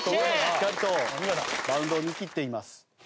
しっかりとバウンドを見切っています。